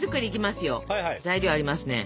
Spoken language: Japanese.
材料ありますね。